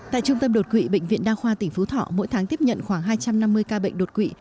tại trung tâm đột quỵ bệnh viện đa khoa tỉnh phú thọ mỗi tháng tiếp nhận khoảng hai trăm năm mươi ca bệnh đột quỵ